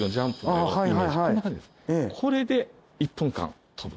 これで１分間跳ぶ。